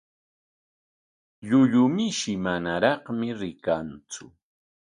Llullu mishi manaraqmi rikanku.